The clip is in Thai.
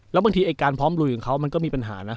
แล้วบางทีไอ้การพร้อมลุยของเขามันก็มีปัญหานะ